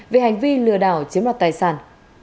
về hành vi lừa đảo chiếm mặt tài sản